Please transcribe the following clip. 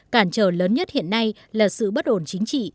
cản trở lớn nhất hiện nay là sự bất ổn chính trị